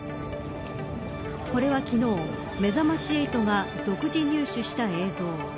これは昨日、めざまし８が独自入手した映像。